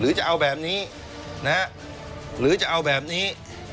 จะเอาแบบนี้นะฮะหรือจะเอาแบบนี้